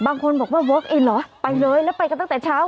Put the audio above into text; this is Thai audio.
บางคนบอกว่าเวิร์คเองเหรอไปเลยแล้วไปกันตั้งแต่เช้า